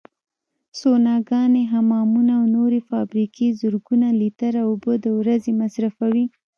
سوناګانې، حمامونه او نورې فابریکې زرګونه لیتره اوبو د ورځې مصرفوي.